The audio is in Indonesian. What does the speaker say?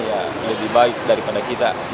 ya lebih baik daripada kita